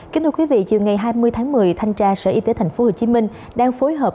kính thưa quý vị chiều ngày hai mươi tháng một mươi thanh tra sở y tế tp hcm đang phối hợp